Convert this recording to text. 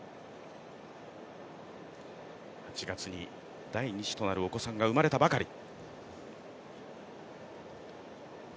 ８月に第２子となるお子さんが生まれたばかり。